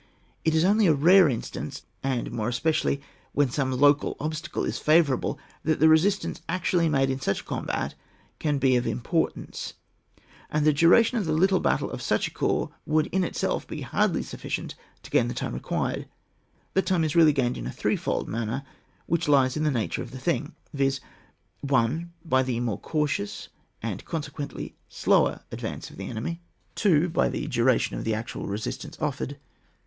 It is only in rare instances, and more especially when some local obstacle is fa vourable, that the resistance actually made in such a combat can be of import ance, and the duration of the little battle of such a corps would in itself be hardly sufficient to gain the time required ; that time is reidly gained in a threefold manner, which lies in the nature of the thing, viz. : 1. By the more cautious, and conse* quently slower advance of the enemy. CHAP, vin.] MODE OF A CTION OF AD VANCED CORPS. 27 2. By the duration of the actual resistance offered.